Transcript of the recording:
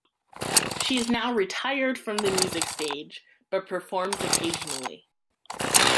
She is now retired from the music stage but performs occasionally.